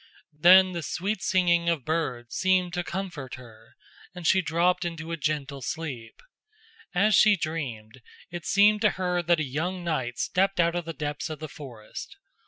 Then the sweet singing of birds seemed to comfort her, and she dropped into a gentle sleep. As she dreamed it seemed to her that a young knight stepped out of the depths of the forest.